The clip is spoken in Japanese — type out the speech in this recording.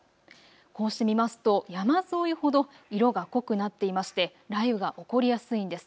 こうしてみますと山沿いほど色が濃くなっていて雷雨が起こりやすいんです。